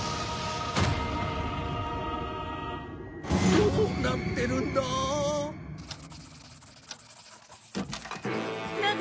どうなってるんだ。